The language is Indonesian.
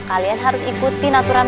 kalian harus ikuti natural rules